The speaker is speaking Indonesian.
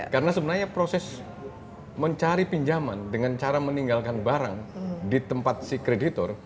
karena sebenarnya proses mencari pinjaman dengan cara meninggalkan barang di tempat si kreditor